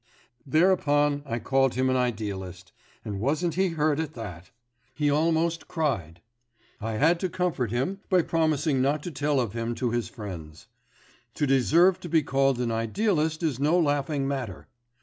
Thereupon I called him an idealist, and wasn't he hurt at that! He almost cried. I had to comfort him by promising not to tell of him to his friends. To deserve to be called an idealist is no laughing matter!